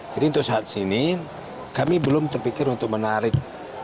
jadi untuk saat ini kami belum terpikir untuk menarik